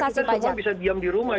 kita semua bisa diam di rumah